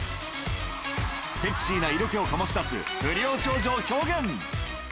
セクシーな色気を醸し出す不良少女を表現。